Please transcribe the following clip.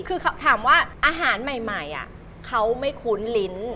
คือถามว่าอาหารใหม่เขาไม่คุ้นลิ้น